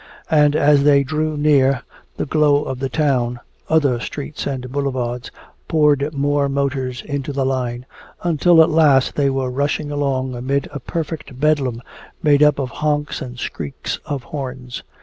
And as they drew near the glow of the town, other streets and boulevards poured more motors into the line, until at last they were rushing along amid a perfect bedlam made up of honks and shrieks of horns.